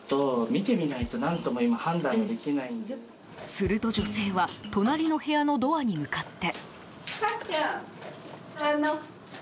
すると、女性は隣の部屋のドアに向かって。